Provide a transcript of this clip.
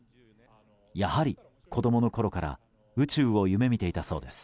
やはり子供のころから宇宙を夢見ていたそうです。